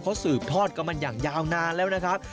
เขาสืบทอดกันมาอย่างยาวนานแล้วนะครับ